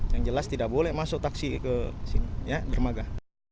yang jelas tidak boleh masuk taksi ke sini dermaga